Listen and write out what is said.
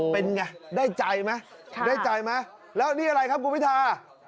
เป็นไงได้ใจไหมได้ใจไหมแล้วนี่อะไรครับคุณพิธา